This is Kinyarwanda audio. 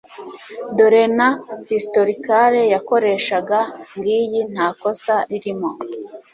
dore na historicale yakoreshaga ngiyi ntakosa ririmo